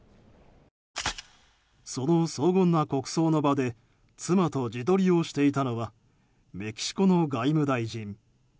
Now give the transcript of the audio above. その荘厳な国葬の場で妻と自撮りをしていたのはメキシコの外務大臣。